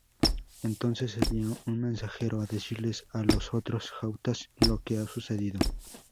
Entonces envía un mensajero a decirle a los otros gautas lo que ha sucedido.